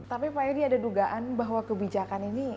tapi pak edi ada dugaan bahwa kebijakan ini